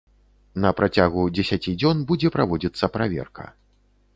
На працягу дзесяці дзён будзе праводзіцца праверка.